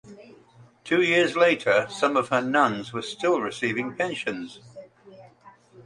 Two years later some of her nuns were still receiving pensions.